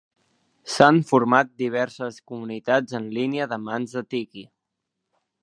S'han format diverses comunitats en línia d'amants de tiki.